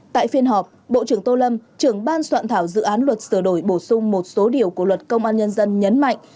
tại phiên họp bộ trưởng tô lâm trưởng ban soạn thảo dự án luật sửa đổi bổ sung một số điều của luật công an nhân dân nhấn mạnh